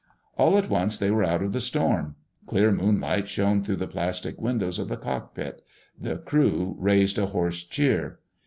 All at once they were out of the storm. Clear moonlight shone through the plastic windows of the cockpit. The crew raised a hoarse cheer.